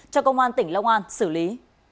cho công an tỉnh long an xử lý